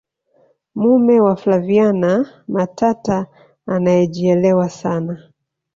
mume wa flaviana matata anaejielewa sana